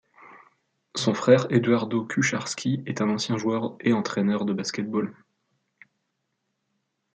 Son frère, Eduardo Kucharski, est un ancien joueur et entraîneur de basket-ball.